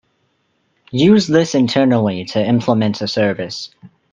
Use this internally to implement a service.